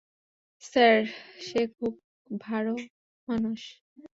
Sir, সে খুব ভালো মানুষ।